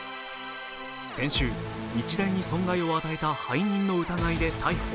先週、日大に損害を与えた背任の疑いで逮捕。